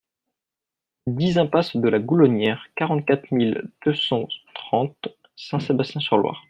dix impasse de la Goulonnière, quarante-quatre mille deux cent trente Saint-Sébastien-sur-Loire